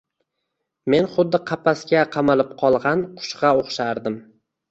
Men xuddi qapasga qamalib qolg‘an qushg‘a o‘xshardim